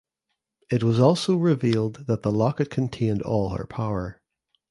It was also revealed that the locket contained all her power.